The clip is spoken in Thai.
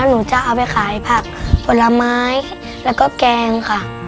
หนูจะเอาไปขายผักผลไม้แล้วก็แกงค่ะ